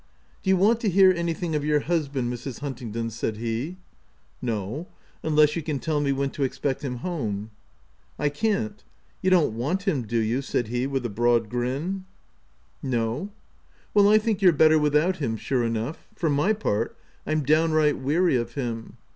" Do you want to hear anything of your hus band, Mrs, Huntingdon ?" said he. a No, unless you can tell me when to expect him home." "I can't. — You don't want him, do you?" said he with a broad grin. 88 THE TENANT " No." "Well, I think you're better without him, sure enough — for my part, Pm downright weary of him.